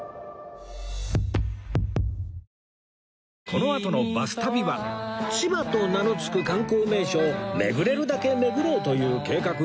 このあとの『バス旅』は千葉と名のつく観光名所を巡れるだけ巡ろうという計画